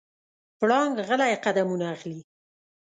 پړانګ غلی قدمونه اخلي.